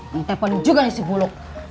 ngetelpon juga nih si buluk